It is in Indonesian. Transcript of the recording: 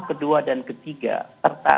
kedua dan ketiga serta